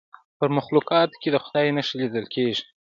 په مخلوقاتو کې د خدای نښې لیدل کیږي.